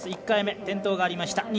１回目、転倒がありました。